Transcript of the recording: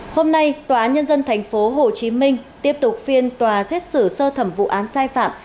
hôm nay tòa án nhân dân tp hcm tiếp tục phiên tòa xét xử sơ thẩm vụ án sai phạm